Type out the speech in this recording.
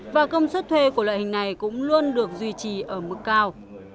và công suất thuê của loại hình này cũng luôn được duy trì ở mức cao